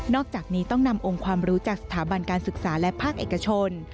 อกจากนี้ต้องนำองค์ความรู้จากสถาบันการศึกษาและภาคเอกชน